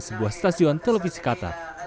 sebuah stasiun televisi qatar